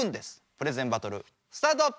プレゼンバトルスタート！